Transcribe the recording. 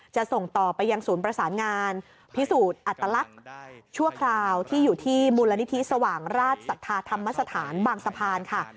ส่งต่อไปยังศูนย์ประสานงานพิสูจน์อัตลักษณ์ชั่วคราวที่อยู่ที่มูลนิธิสว่างราชศรัทธาธรรมสถานบางสะพานค่ะ